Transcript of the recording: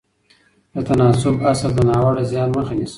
د تناسب اصل د ناوړه زیان مخه نیسي.